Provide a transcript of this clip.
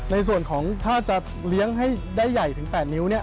ในส่วนของถ้าจะเลี้ยงให้ได้ใหญ่ถึง๘นิ้วเนี่ย